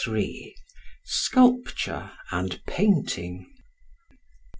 Sculpture and Painting.